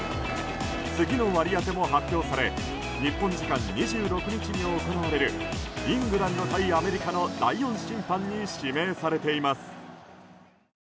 次の割り当ても発表され日本時間２６日に行われるイングランド対アメリカの第４審判に指名されています。